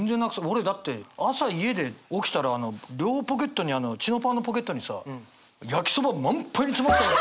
俺だって朝家で起きたら両ポケットにチノパンのポケットにさ焼きそばパンパンに詰まってた。